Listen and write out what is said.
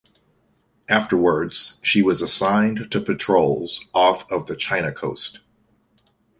Afterwards, she was assigned to patrols off of the China coast.